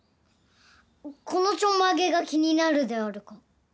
このちょんまげが気になるであるか？